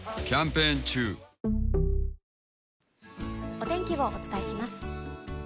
お天気をお伝えします。